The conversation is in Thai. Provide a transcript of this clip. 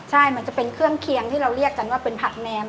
ใช่มันจะเป็นเครื่องเคียงที่เราเรียกกันว่าเป็นผักแนม